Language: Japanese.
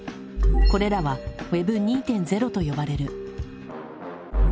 これらはＷｅｂ２．０と呼ばれる。